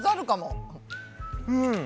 うん。